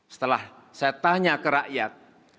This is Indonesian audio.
setelah saya tanya ke rakyat